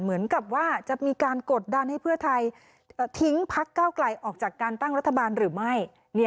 เหมือนกับว่าจะมีการกดดันให้เพื่อไทยทิ้งพักเก้าไกลออกจากการตั้งรัฐบาลหรือไม่